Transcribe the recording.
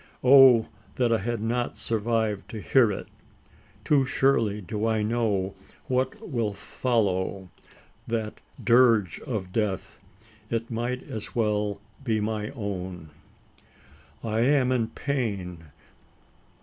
Oh! that I had not survived to hear it! Too surely do I know what will follow that dirge of death. It might as well be my own! I am in pain.